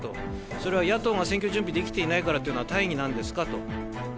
それは野党が選挙準備できていないからというのは大義なんですかと。